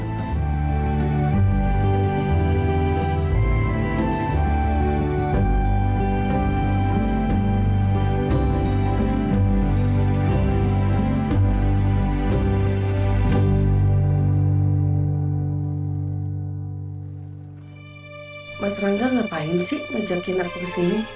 mas rangga ngapain sih ngejakin aku kesini